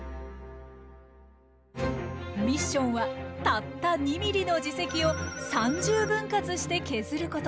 ミッションはたった２ｍｍの耳石を３０分割して削ること。